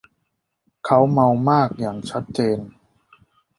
เค้าเมามากอย่างชัดเจน